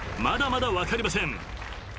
まだまだ分かりません。